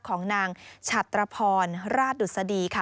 ของนางฉัตรพรราชดุษฎีค่ะ